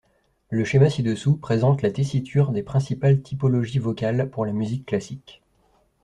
Le schéma ci-dessous présente la tessiture des principales typologies vocales pour la musique classique.